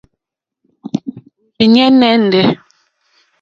Òrzìɲɛ́ nɛ́ndɛ̀.